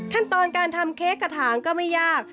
ขั้นตอนการทำเค้กกระถางก็ไม่ยาก